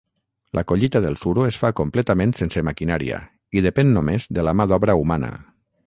La collita del suro es fa completament sense maquinària i depèn només de la mà d'obra humana.